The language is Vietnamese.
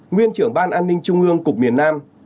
nguyên trưởng ban an ninh trung ương cục miền nam